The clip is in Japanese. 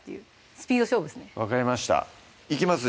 スピード勝負ですね分かりましたいきます